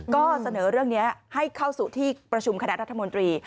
ก็เสนอเรื่องนี้ให้เข้าสู่ที่ประชุมคณะรัฐมนตรี